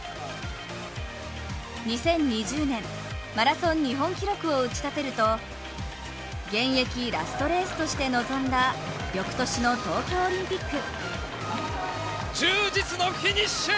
２０２０年、マラソン日本記録を打ちたてると、現役ラストレースとして臨んだ翌年の東京オリンピック。